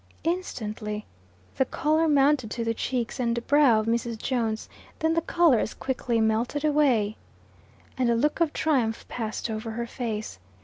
Instantly the color mounted to the cheeks and brow of Mrs. Jones; then the color as quickly melted away, and a look of triumph passed over her face.